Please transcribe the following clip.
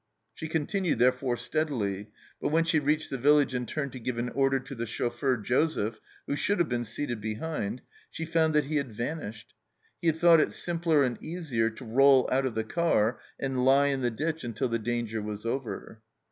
She continued therefore steadily, but when she reached the village and turned to give an order to the chauffeur Joseph, who should have been seated behind, she found that he had vanished. He had thought it simpler and easier to roll out of the car and lie in the ditch until the danger was over